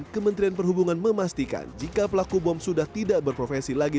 kementerian perhubungan memastikan jika pelaku bom sudah tidak berprofesi lagi